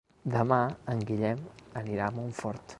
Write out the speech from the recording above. Demà en Guillem anirà a Montfort.